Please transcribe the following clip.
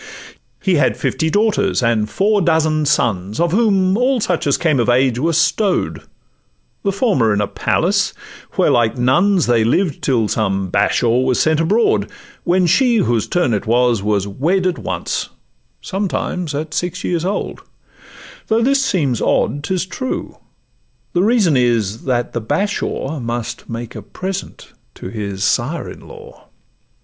He had fifty daughters and four dozen sons, Of whom all such as came of age were stow'd, The former in a palace, where like nuns They lived till some Bashaw was sent abroad, When she, whose turn it was, was wed at once, Sometimes at six years old—though it seems odd, 'Tis true; the reason is, that the Bashaw Must make a present to his sire in law.